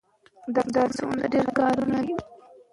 د ښو عادتونو پالنه د مینې له لارې ممکنه ده.